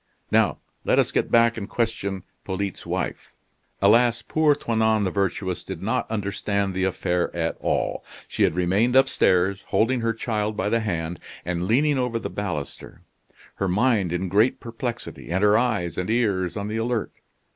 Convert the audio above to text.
Now let us get back and question Polyte's wife." Alas! poor Toinon the Virtuous did not understand the affair at all. She had remained upstairs, holding her child by the hand, and leaning over the baluster; her mind in great perplexity and her eyes and ears on the alert.